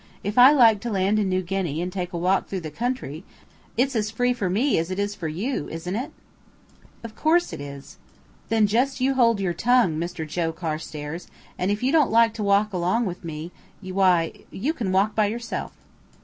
If I like to land in New Guinea, and take a walk through the country, it's as free for me as it is for you, isn't it?" "Of course it is." "Then just you hold your tongue, Mister Joe Carstairs; and if you don't like to walk along with me, why you can walk by yourself."